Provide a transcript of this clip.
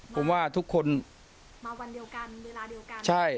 ผมว่าทุกคนมาวันเดียวกันเวลาเดียวกันใช่